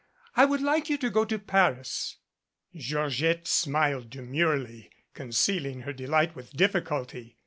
I would like you to go to Paris," Georgette smiled demurely, concealing her delight with difficulty.